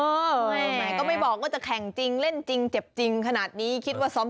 แม่ก็ไม่บอกว่าจะแข่งจริงเล่นจริงเจ็บจริงขนาดนี้คิดว่าซ้อม